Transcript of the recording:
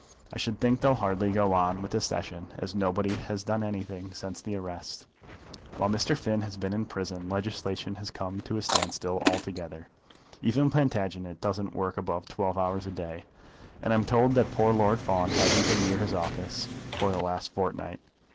I should think they'll hardly go on with the Session, as nobody has done anything since the arrest. While Mr. Finn has been in prison legislation has come to a standstill altogether. Even Plantagenet doesn't work above twelve hours a day, and I'm told that poor Lord Fawn hasn't been near his office for the last fortnight.